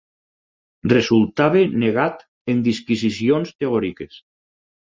Resultava negat en disquisicions teòriques.